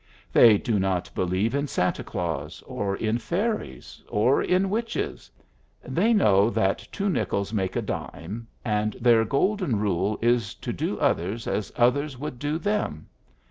They do not believe in Santa Claus or in fairies or in witches; they know that two nickels make a dime, and their golden rule is to do others as others would do them.